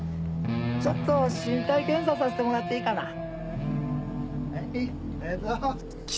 ちょっと身体検査させてもらっていいかな。